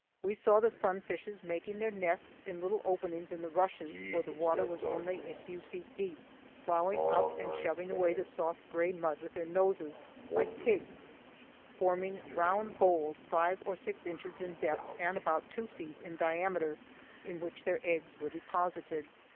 We saw the sunfishes making their nests in little openings in the rushes where the water was only a few feet deep, ploughing up and shoving away the soft gray mud with their noses, like pigs, forming round bowls five or six inches in depth and about two feet in diameter, in which their eggs were deposited.